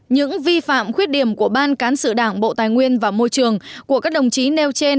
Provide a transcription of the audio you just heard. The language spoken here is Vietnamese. những vi phạm khuyết điểm của ban cán sự đảng bộ tài nguyên và môi trường của các đồng chí nêu trên